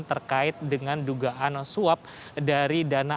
terkait dengan dugaan suap dari dana